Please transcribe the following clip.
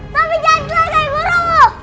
tapi jangan terlalu kayak guru